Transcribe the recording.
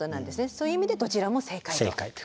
そういう意味でどちらも正解と。